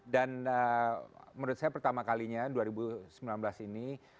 dan menurut saya pertama kalinya dua ribu sembilan belas ini